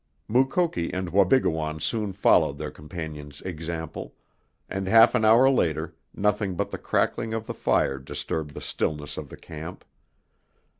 Mukoki and Wabigoon soon followed their companion's example, and half an hour later nothing but the crackling of the fire disturbed the stillness of the camp.